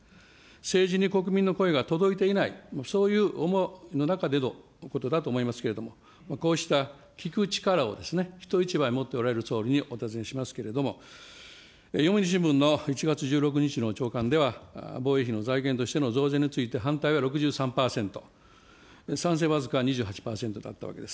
政治に国民の声が届いていない、そういう思いの中でのことだと思いますけれども、こうした聞く力を、人一倍持っておられる総理にお尋ねしますけれども、読売新聞の１月１６日の朝刊では、防衛費の財源としての増税について反対が６３％、賛成僅か２８％だったわけです。